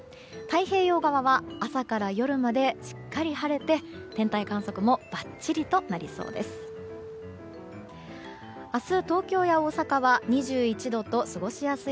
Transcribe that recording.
太平洋側は朝から夜までしっかり晴れて天体観測もばっちりとなりそうです。